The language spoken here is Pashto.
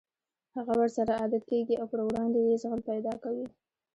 هغه ورسره عادت کېږي او پر وړاندې يې زغم پيدا کوي.